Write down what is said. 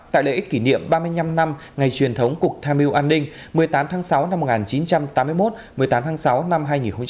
tại lễ kỷ niệm ba mươi năm năm ngày truyền thống cục tham mưu an ninh một mươi tám tháng sáu năm một nghìn chín trăm tám mươi một một mươi tám tháng sáu năm hai nghìn hai mươi